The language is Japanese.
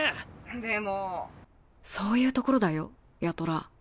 でもそういうところだよ八虎。